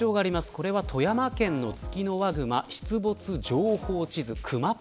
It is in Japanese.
これは富山県のツキノワグマ出没情報地図クマっ